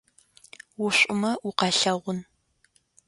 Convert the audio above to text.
Ушӏумэ укъалъэгъун.